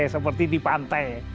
seperti di pantai